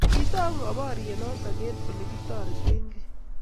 Kitau ngo boryet noto eng olegitoretegei?